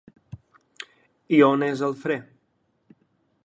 I on és el fre?